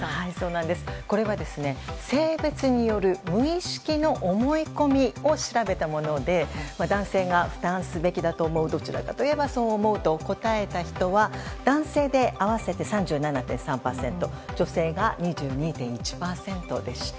これは性別による無意識の思い込みを調べたもので男性が負担すべきだと思うと聞かれどちらかといえばそう思うと答えた人は男性で合わせて３７．３％女性が２２．１％でした。